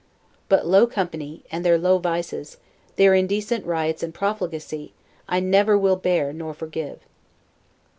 But low company, and their low vices, their indecent riots and profligacy, I never will bear nor forgive.